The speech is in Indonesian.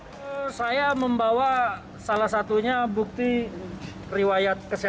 sebelumnya ferdinand dilaporkan oleh dpp komite nasional pemuda indonesia